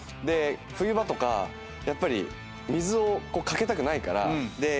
で冬場とかやっぱり水を掛けたくないから。